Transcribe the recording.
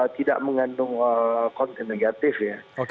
tidak mengandung konten negatif ya